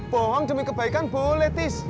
bohong demi kebaikan boleh tis